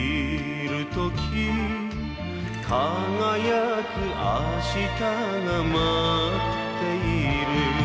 「輝く明日が待っている」